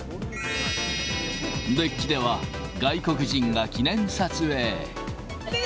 デッキでは外国人が記念撮影。